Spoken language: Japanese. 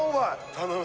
頼む！